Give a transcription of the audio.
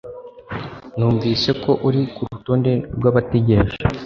Numvise ko uri kurutonde rwabategereje.